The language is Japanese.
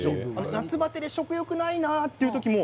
夏バテで食欲ないなという時も